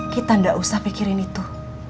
kita tidak usah pikirin itu